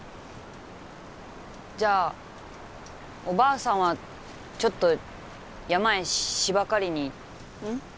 じゃあおばあさんはちょっと山へ芝刈りにうん？